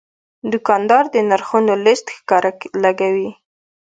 دوکاندار د نرخونو لیست ښکاره لګوي.